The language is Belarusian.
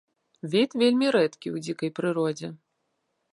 Від вельмі рэдкі ў дзікай прыродзе.